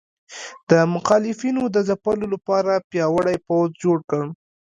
د مخالفینو د ځپلو لپاره پیاوړی پوځ جوړ کړ.